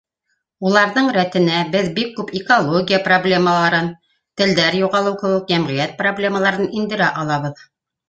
Уларҙың рәтенә беҙ бик күп экология проблемаһын, телдәр юғалыу кеүек йәмғиәт проблемаларын индерә алабыҙ.